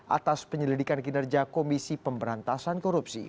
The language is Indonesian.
atas penyelidikan kinerja komisi pemberantasan korupsi